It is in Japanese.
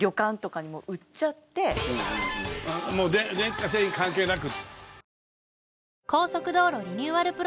もう電化製品関係なく。